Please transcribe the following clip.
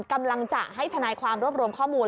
กำลังจะให้ทนายความรวบรวมข้อมูล